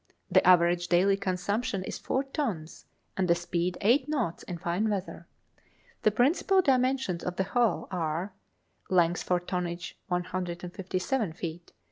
The average daily consumption is four tons, and the speed eight knots in fine weather. The principal dimensions of the hull are; Length for tonnage, 157 ft.